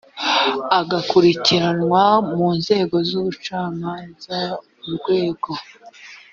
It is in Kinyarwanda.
agakurikiranwa mu nzego z ubucamanza urwego